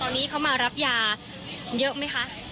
ตอนนี้เขามารับยาเยอะไหมคะ